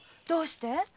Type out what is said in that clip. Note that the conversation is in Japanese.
どうして？